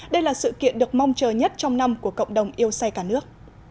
đây là sự kiện được mong chờ nhất trong năm của cộng đồng yêu xe cả nước